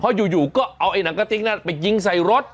เพราะอยู่ก็เอาไอ้หนังกะติ๊กนั้นไปยิงใส่รถ